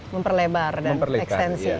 memperlebar dan ekstensi